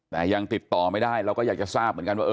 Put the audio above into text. แต่ยังติดต่อไม่ได้เราก็อยากจะทราบเหมือนกันว่า